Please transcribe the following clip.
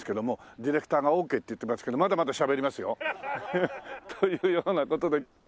ディレクターがオーケーって言ってますけどまだまだしゃべりますよ。というような事で。